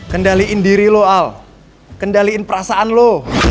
kendaliin diri lo al kendaliin perasaan lo